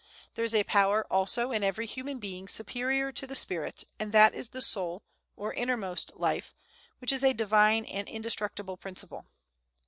There is a power, also, in every human being superior to the spirit, and that is the soul, or innermost life which is a divine and indestructible principle.